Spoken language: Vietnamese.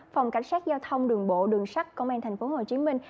phòng cảnh sát giao thông đường bộ đường sát công an thành phố hồ chí minh